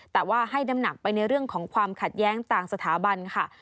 แต่ว่าให้น้ำหนักไปในเรื่องของความขัดแย้งต่างสถาบันค่ะ